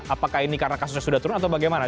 apakah ini karena kasusnya sudah turun atau bagaimana